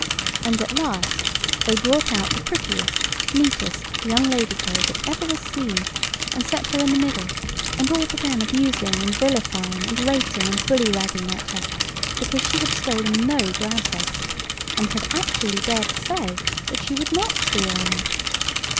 And at last they brought out the prettiest, neatest young lady crow that ever was seen, and set her in the middle, and all began abusing and vilifying, and rating, and bullyragging at her, because she had stolen no grouse eggs, and had actually dared to say that she would not steal any.